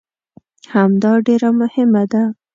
همدا ډېره مهمه ده.